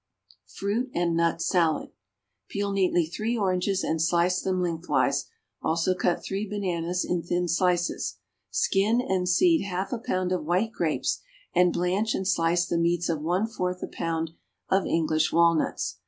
=Fruit and Nut Salad.= Peel neatly three oranges and slice them lengthwise; also cut three bananas in thin slices. Skin and seed half a pound of white grapes, and blanch and slice the meats of one fourth a pound of English walnuts.